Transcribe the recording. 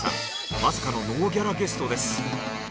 まさかのノーギャラゲストです。